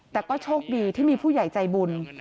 แต่ก็โชคดีที่มีผู้ใหญ่ใจบุญ